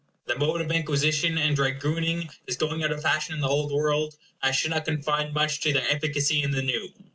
The mode of inquisition and dragooning is going out of fashion in the Old World, and I should not confide much to their efficacy in the New.